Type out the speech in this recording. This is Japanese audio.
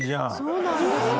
そうなんですよ。